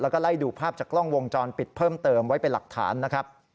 แล้วก็ไล่ดูภาพจากกล้องวงจรปิดเพิ่มเติมไว้เป็นหลักฐานนะครับ